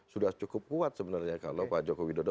sudah cukup kuat sebenarnya kalau pak joko widodo